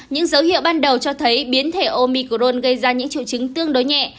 những dấu hiệu ban đầu cho thấy biến thể omicron gây ra những triệu chứng tương đối nhẹ